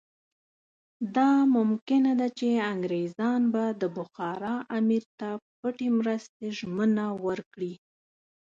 دا ممکنه ده چې انګریزان به د بخارا امیر ته پټې مرستې ژمنه ورکړي.